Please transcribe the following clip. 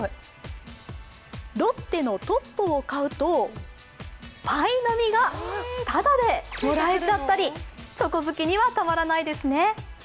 ロッテのトッポを買うとパイの実がただでもらえちゃったりチョコ好きにはたまらないですね。